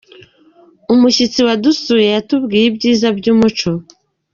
Umushyitsi wadusuye yatubwiye ibyiza byumuco.